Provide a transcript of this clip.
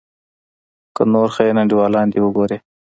که هغه نور خاين انډيوالان دې وګورې.